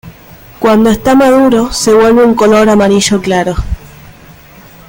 Cuando está maduro, se vuelve un color amarillo claro.